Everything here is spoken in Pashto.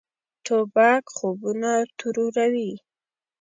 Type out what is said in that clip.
توپک خوبونه تروروي.